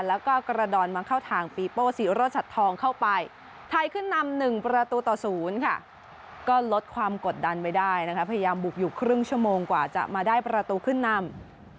แล้วก็กระดอนมาเข้าทางปีโป้ศรีโรชัดทองเข้าไปไทยขึ้นนำ๑ประตูต่อ๐ค่ะก็ลดความกดดันไว้ได้นะคะพยายามบุกอยู่ครึ่งชั่วโมงกว่าจะมาได้ประตูขึ้นนำ